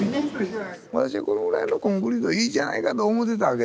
私はこのぐらいのコンクリートでいいじゃないかと思ってたわけですよ。